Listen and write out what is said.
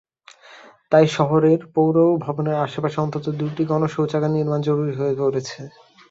তাই শহরের পৌর ভবনের আশপাশে অন্তত দুটি গণশৌচাগার নির্মাণ জরুরি হয়ে পড়েছে।